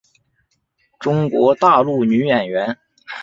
中国大陆女演员。